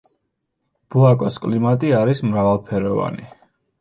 ბოაკოს კლიმატი არის მრავალფეროვანი.